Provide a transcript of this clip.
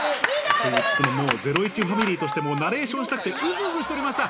と言いつつ、ゼロイチファミリーとしてナレーションしたくて、ウズウズしておりました。